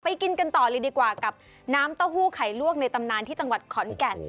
กินกันต่อเลยดีกว่ากับน้ำเต้าหู้ไข่ลวกในตำนานที่จังหวัดขอนแก่น